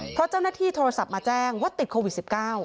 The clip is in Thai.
เพราะเจ้าหน้าที่โทรศัพท์มาแจ้งว่าติดโควิด๑๙